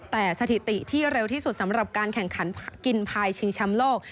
แต่สถิติที่เร็วที่สุดสำหรับการแข่งขันกินพายชิงแชมป์โลก